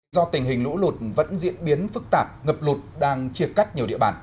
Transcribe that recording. do tình hình lũ lụt vẫn diễn biến phức tạp ngập lụt đang chia cắt nhiều địa bàn